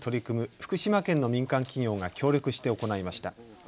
福島県の民間企業が協力して行いました。